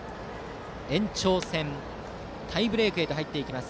延長戦、タイブレークに入っていきます。